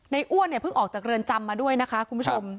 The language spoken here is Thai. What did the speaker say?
อ้วนเนี่ยเพิ่งออกจากเรือนจำมาด้วยนะคะคุณผู้ชม